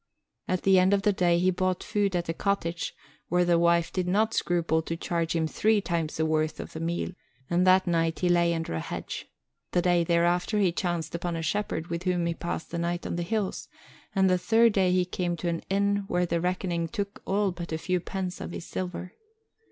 At the end of the day he bought food at a cottage where the wife did not scruple to charge him three times the worth of the meal, and that night he lay under a hedge; the day thereafter he chanced upon a shepherd with whom he passed the night on the hills, and the third day he came to an inn where the reckoning took all but a few pence of his silver.